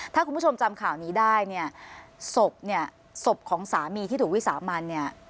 ถ้าคุณผู้ชมจำข่าวนี้ได้เนี่ยศพเนี่ยศพของสามีที่ถูกวิสามันเนี่ย